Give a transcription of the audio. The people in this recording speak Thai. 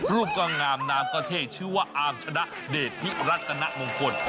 รูปก็งามน้ำก็เทกชื่อว่าอาร์มชนะเดชที่รัฐกณะมงคล